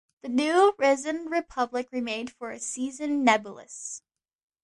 The new-risen republic remained for a season nebulous.